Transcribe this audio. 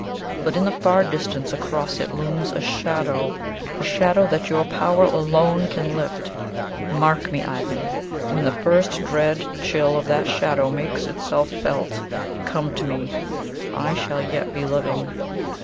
But in the far distance across it looms a shadow a shadow that your power alone can never lift. Mark me, Ivan! When the first dread chill of that shadow makes itself felt, come to me I shall yet be living.